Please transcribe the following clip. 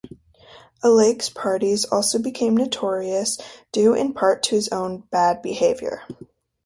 Alig's parties also became notorious due in part to his own "bad behavior".